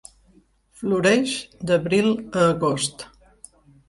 Floreix d'abril a agost.